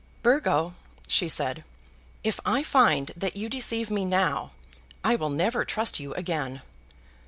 "Burgo," she said, "if I find that you deceive me now, I will never trust you again."